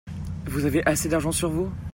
Vous avez assez d'argent sur vous ?